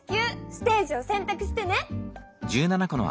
ステージをせんたくしてね。